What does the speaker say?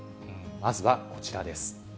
まずはこちらです。